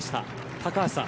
高橋さん。